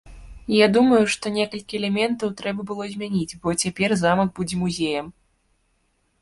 Я думаю, што некалькі элементаў трэба было змяніць, бо цяпер замак будзе музеям.